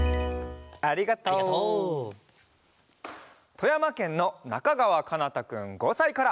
とやまけんのなかがわかなたくん５さいから。